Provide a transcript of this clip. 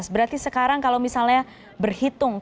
berarti sekarang kalau misalnya berhitung